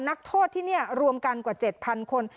นักโทษที่นี่รวมกันกว่า๗๐๐คน